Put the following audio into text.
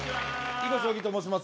囲碁将棋と申します。